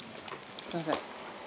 すいません。